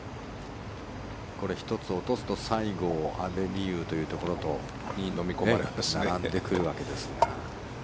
これ、１つ落とすと西郷、阿部未悠というところに並んでくるわけですが。